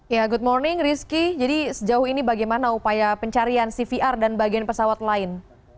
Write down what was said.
ya good morning rizky jadi sejauh ini bagaimana upaya pencarian cvr dan bagian pesawat lain